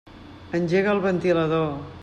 Engega el ventilador.